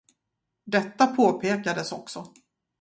Detta påpekades också.